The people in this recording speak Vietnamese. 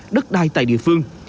đất đai tại địa phương